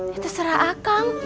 ya terserah akang